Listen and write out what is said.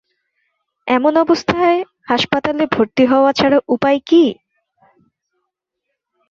এমন অবস্থায় হাসপাতালে ভর্তি হওয়া ছাড়া উপায় কী?